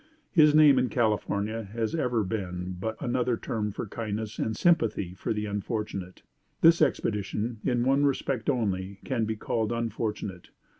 His name in California has ever been but another term for kindness and sympathy for the unfortunate. This expedition, in one respect only, can be called unfortunate.